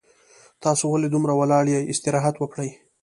تاسو ولې دومره ولاړ یي استراحت وکړئ